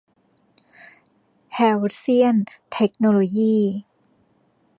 แฮลเซี่ยน เทคโนโลยี่